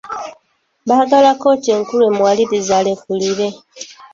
Baagala kkooti enkulu emuwalirize alekulire.